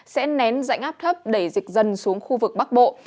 sẽ nén dạnh áp thấp đẩy dịch dần xuống khu vực bắc bộ